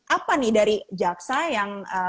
apa nih dari jaksa yang